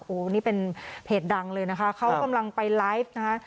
โอ้โหนี่เป็นเพจดังเลยนะคะเขากำลังไปไลฟ์นะคะ